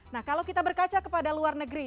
nah kalau kita berkaca kepada luar negeri